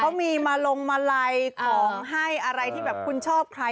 เขามีมาลงมาลัยของให้อะไรที่แบบคุณชอบใคร